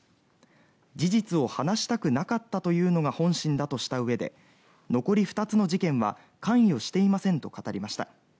事実を話したくなかったというのが本心だとしたうえで残り２つの事件は関与していませんと語りました。